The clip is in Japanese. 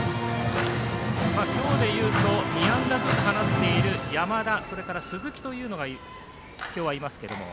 今日で言うと２安打ずつ放っている山田、それから鈴木というのが今日はいますけれども。